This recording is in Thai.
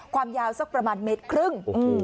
ความยาวสักประมาณเมตรครึ่ง